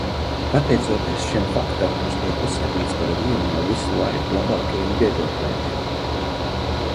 Pateicoties šim faktam, viņš tiek uzskatīts par vienu no visu laiku labākajiem vieglatlētiem.